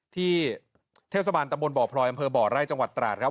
เทศบาลตะบนบ่อพลอยอำเภอบ่อไร่จังหวัดตราดครับ